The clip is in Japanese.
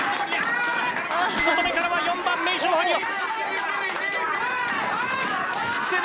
外めからは４番メイショウハリオ。